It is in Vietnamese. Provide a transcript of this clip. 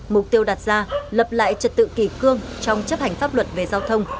mục tiêu đặt ra lập lại trật tự kỳ cương trong chấp hành pháp luật về giao thông